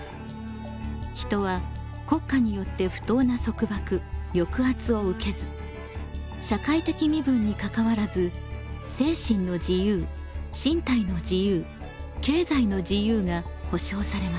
人は国家によって不当な束縛・抑圧を受けず社会的身分にかかわらず精神の自由・身体の自由・経済の自由が保障されます。